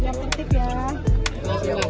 jangan tertip ya